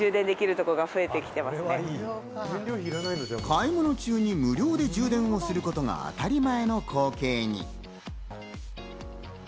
買い物中に無料で充電をすることが当たり前の光景に。